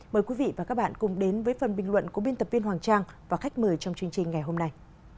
mời quý vị và các bạn cùng đến với phần bình luận của biên tập viên hoàng trang và khách mời trong chương trình ngày hôm nay